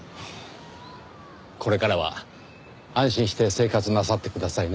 これからは安心して生活なさってくださいね。